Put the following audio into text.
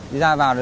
đi ra vào rồi